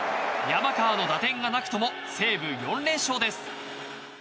山川の打点がなくとも西武、４連勝です。